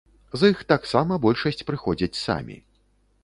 З іх таксама большасць прыходзяць самі.